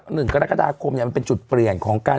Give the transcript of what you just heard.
หนึ่งกรกฎาคมเนี่ยมันเป็นจุดเปลี่ยนของการ